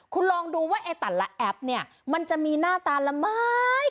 คุณลองดูว่าไอ้แต่ละแอปเนี่ยมันจะมีหน้าตาละไหม